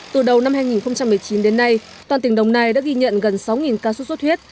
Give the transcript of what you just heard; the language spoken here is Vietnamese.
từ đầu năm hai nghìn một mươi chín đến nay toàn tỉnh đồng nai đã ghi nhận gần sáu ca xuất xuất huyết